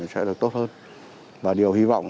sẽ được tốt hơn và điều hy vọng